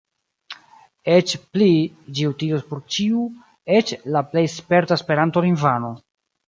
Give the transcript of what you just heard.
Eĉ pli – ĝi utilus por ĉiu, eĉ la plej sperta Esperanto-lingvano.